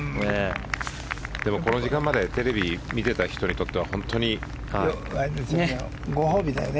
この時間までテレビ見ていた人にとってはね。